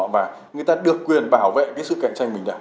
và người ta được quyền bảo vệ cái sự cạnh tranh mình